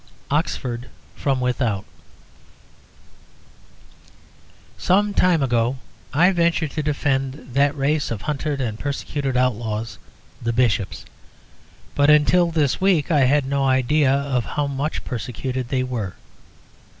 OXFORD FROM WITHOUT Some time ago I ventured to defend that race of hunted and persecuted outlaws, the Bishops; but until this week I had no idea of how much persecuted they were.